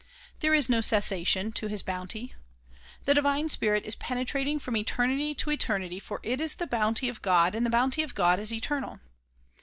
There is no cessation to his bounty. The divine spirit is penetrating from eternity to eternity for it is the bounty of God and the bounty of God is eternal.